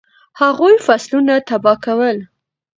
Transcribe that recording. هغوی فصلونه تباه کول.